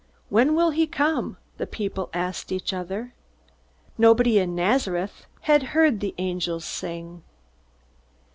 "When will he come?" the people asked each other. Nobody in Nazareth had heard the angels sing.